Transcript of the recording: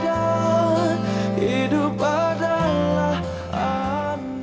ya kita bisa pergi makan